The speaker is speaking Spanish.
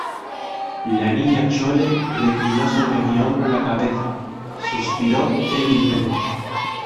la Niña Chole reclinó sobre mi hombro la cabeza, suspiró débilmente